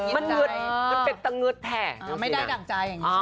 มันเป็นตะเงิดแท่ไม่ได้ดั่งใจ